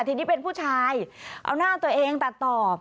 ทีนี้เป็นผู้ชายเอาหน้าตัวเองตัดตอบ